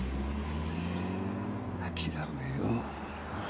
諦めよう。